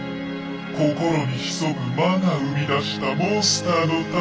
心に潜む魔が生み出したモンスターの戦い